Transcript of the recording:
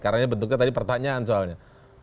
karena ini bentuknya tadi pertanyaan soalnya